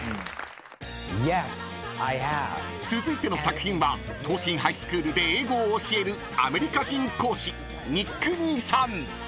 「Ｙｅｓ，Ｉｈａｖｅ」［続いての作品は東進ハイスクールで英語を教えるアメリカ人講師ニック兄さん］